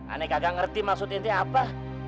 aneh kagak ngerti maksud intinya apa